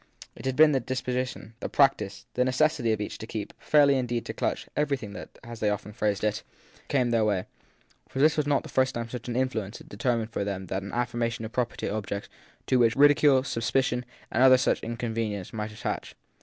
It had been the disposition, the practice, the necessity of each to keep, fairly indeed to clutch, everything that, as they often phrased it, came their way; and this was not the first time such an influence had determined for them an affirmation of property in objects to which ridicule, suspicion, or some other inconven ience might attach.